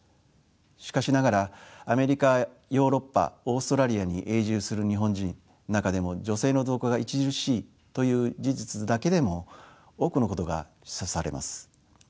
しかしながらアメリカヨーロッパオーストラリアに永住する日本人中でも女性の増加が著しいという事実だけでも多くのことが示唆されます。